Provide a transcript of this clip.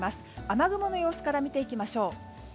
雨雲の様子から見ていきましょう。